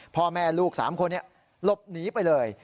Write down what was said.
พ่อแม่ลูก๓คนหลบหนีไปเลย